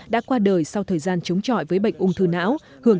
đã qua đời sau thời gian chống chọi với bệnh ung thư não